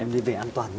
em đi về an toàn nhé